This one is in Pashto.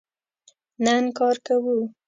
نن کار کوو